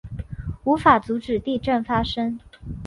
无法阻止地震发生